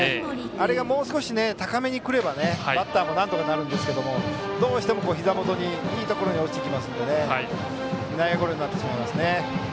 あれが、もう少し高めにくればバッターもなんとかなりますがどうしても、ひざ元にいいところに落ちてきますので内野ゴロになってしまいますね。